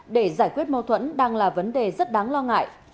để giải quyết mâu thuẫn đang là vấn đề rất đáng lo ngại